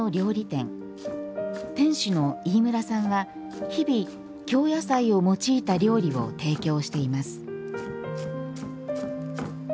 店主の飯村さんは日々、京野菜を用いた料理を提供しています。